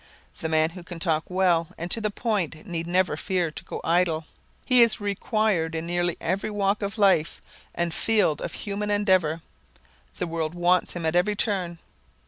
The man who can talk well and to the point need never fear to go idle. He is required in nearly every walk of life and field of human endeavor, the world wants him at every turn.